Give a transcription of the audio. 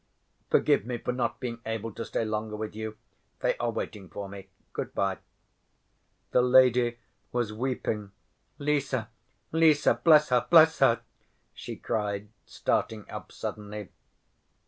Forgive me for not being able to stay longer with you. They are waiting for me. Good‐by." The lady was weeping. "Lise, Lise! Bless her—bless her!" she cried, starting up suddenly.